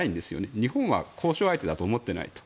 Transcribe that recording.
日本は交渉相手だと思っていない。